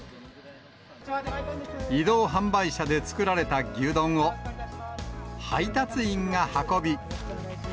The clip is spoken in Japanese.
移動販売車で作られた牛丼を、配達員が運び。